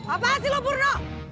apaan sih lu purno